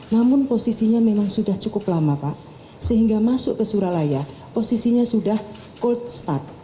namun posisinya memang sudah cukup lama pak sehingga masuk ke suralaya posisinya sudah cold start